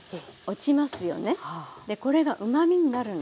これがうまみになるの。